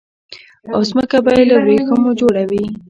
او ځمکه به يي له وريښمو جوړه وي